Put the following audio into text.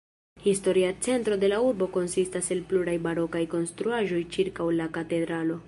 Historia centro de la urbo konsistas el pluraj barokaj konstruaĵoj ĉirkaŭ la katedralo.